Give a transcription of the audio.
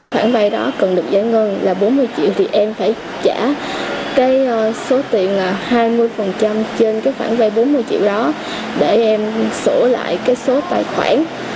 khoản vay đó cần được giải ngân là bốn mươi triệu thì em phải trả cái số tiền hai mươi trên cái khoản vay bốn mươi triệu đó để em sổ lại cái số tài khoản